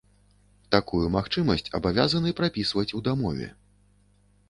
Такую магчымасць абавязаны прапісваць ў дамове.